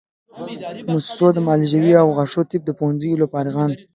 موسسو د معالجوي او غاښونو طب د پوهنځیو له فارغانو